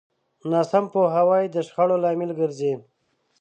ناسم پوهاوی د شخړو لامل ګرځي.